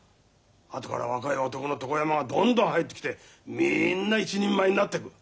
後から若い男の床山がどんどん入ってきてみんな一人前になってく。